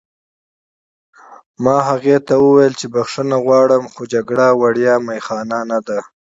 ما هغې ته وویل چې بښنه غواړم خو جګړه وړیا می خانه نه ده